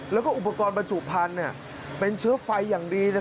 แล้วก็อุปกรณ์บรรจุพันธุ์เป็นเชื้อไฟอย่างดี